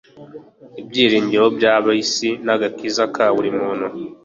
Ibyiringiro by'ab'isi n'agakiza ka buri muntu: